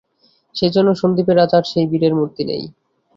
সেইজন্য সন্দীপের আজ আর সেই বীরের মূর্তি নেই।